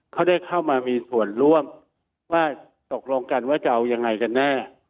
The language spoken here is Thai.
เขาได้เข้ามามีส่วนร่วมว่าตกลงกันว่าจะเอายังไงกันแน่